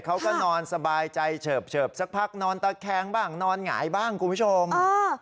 เขาก็นอนสบายใจเฉิบเฉิบสักพักนอนตะแคงบ้างนอนหงายบ้างคุณผู้ชม